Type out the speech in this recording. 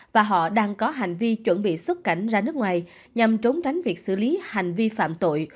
và họ đang có hành vi chuẩn bị xuất cảnh ra nước ngoài nhằm trốn tránh việc xử lý hành vi phạm tội